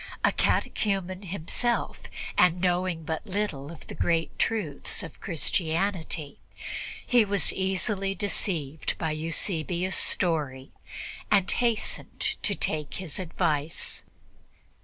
A catechumen himself, and knowing but little of the great truths of Christianity, he was easily deceived by Eusebius' story and hastened to take his advice.